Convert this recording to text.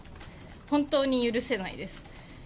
本当に許せないです。